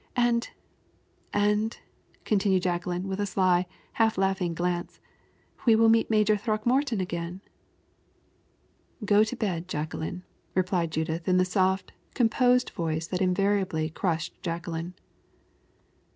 "And and " continued Jacqueline with a sly, half laughing glance, "we will meet Major Throckmorton again." "Go to bed, Jacqueline," replied Judith in the soft, composed voice that invariably crushed Jacqueline.